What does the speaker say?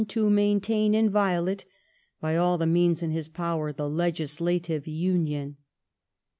to maintain inviolate " by all the means in his power the legislative Union.